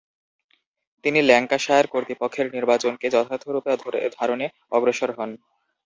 তিনি ল্যাঙ্কাশায়ার কর্তৃপক্ষের নির্বাচনকে যথার্থরূপ ধারনে অগ্রসর হন।